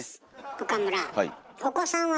岡村